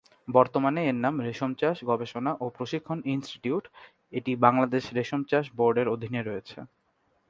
বর্তমানে এর নাম রেশম চাষ গবেষণা ও প্রশিক্ষণ ইনস্টিটিউট, এটি বাংলাদেশ রেশম চাষ বোর্ডের অধীনে রয়েছে।